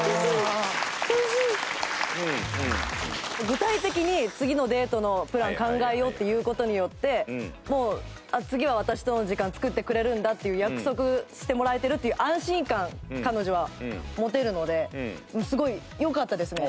具体的に次のデートのプラン考えようって言う事によってもう次は私との時間作ってくれるんだっていう約束してもらえてるという安心感彼女は持てるのですごいよかったですね。